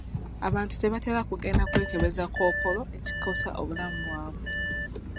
Abantu tebatera kugenda kwekebeza Kkookolo ekikosa obulamu bwabwe.